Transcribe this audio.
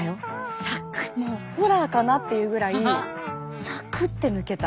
もうホラーかなっていうぐらいサクッって抜けた。